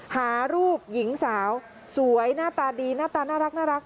หารูปหญิงสาวสวยหน้าตาดีหน้าตาน่ารัก